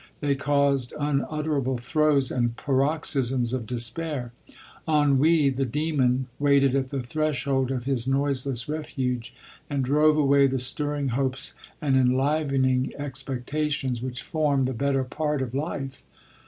They caused unutterable throes and paroxysms of despair. Ennui, the daemon, waited at the threshold of his noiseless refuge, and drove away the stirring hopes and enliven ing expectations, which form the better part of LODORE. 21 life.